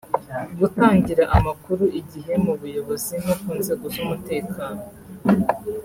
gutangira amakuru igihe mu buyobozi no ku nzego z’umutekano